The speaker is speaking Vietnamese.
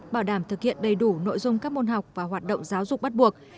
bảo đảm thực hiện đầy đủ nội dung các môn học và hoạt động giáo dục bắt buộc